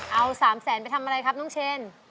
เอา๓แสนไปทำอะไรครับน้องเชน